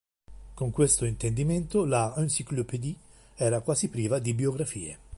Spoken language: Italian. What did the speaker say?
Con questo intendimento, la "Encyclopédie" era quasi priva di biografie.